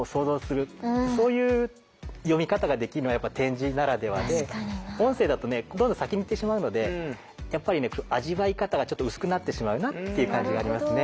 そういう読み方ができるのは点字ならではで音声だとねどんどん先に行ってしまうのでやっぱりね味わい方がちょっと薄くなってしまうなっていう感じがありますね。